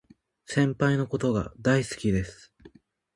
先輩のことが大好きです